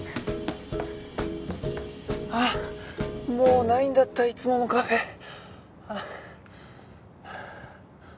あっもうないんだったいつものカフェ。